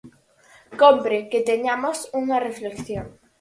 Cómpre que teñamos unha reflexión.